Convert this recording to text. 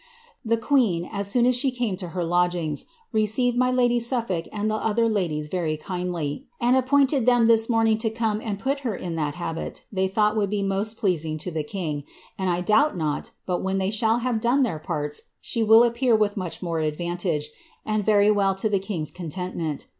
*■ The queen, as soon as she came to her lodgings, received my lady Soflbft and the other ladies very kimily, and appointed them this morning to comesa' put her in that habit they thought would bo most pleasing to the king, voA I doubt not, but when they shall Iiave done their parts, she will appear viik much more advantage, and very well to the king's contentment.